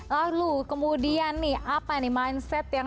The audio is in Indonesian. lalu kemudian nih apa nih mindset yang sebenarnya harus dimilihkan